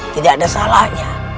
tidak ada salahnya